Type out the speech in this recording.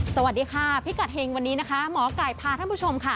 สวัสดีค่ะพิกัดเฮงวันนี้นะคะหมอไก่พาท่านผู้ชมค่ะ